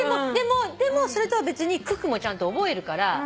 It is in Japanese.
でもそれとは別に九九もちゃんと覚えるから。